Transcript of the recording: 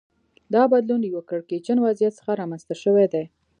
دا بدلون له یوه کړکېچن وضعیت څخه رامنځته شوی دی